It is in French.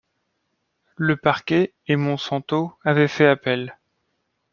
Le parquet et Monsanto avaient fait appel.